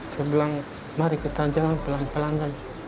saya bilang mari kita jalan pelan pelan saja